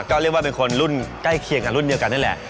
ก็เรียกว่าเป็นคนรุ่นใกล้เคียงกับรุ่นเดียวกันนั่นแหละ